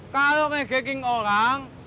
kalau ngegekin orang